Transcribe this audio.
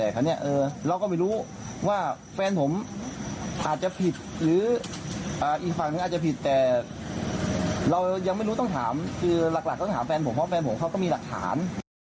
เพราะแฟนผมเขาก็มีหลักฐาน